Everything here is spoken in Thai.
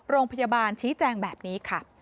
โรงพยาบาลชี้แจงแบบนี้ค่ะ